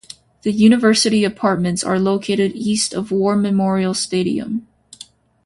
The University Apartments are located east of War Memorial Stadium.